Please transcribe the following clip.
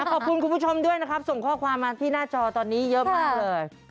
ขอบคุณคุณผู้ชมด้วยนะครับส่งข้อความมาที่หน้าจอตอนนี้เยอะมากเลย